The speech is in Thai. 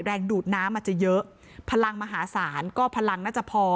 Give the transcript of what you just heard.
ดูดน้ำอาจจะเยอะพลังมหาศาลก็พลังน่าจะพอ